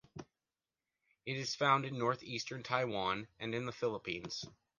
It is found in north-eastern Taiwan, and in the Philippines.